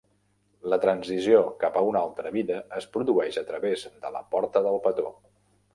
La transició cap a una altra vida es produeix a través de La porta del petó.